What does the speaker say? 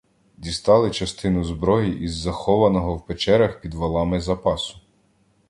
Дістали частину зброї із захованого в печерах під валами запасу.